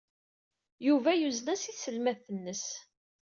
Yuba yunez-as i tselmadt-nnes.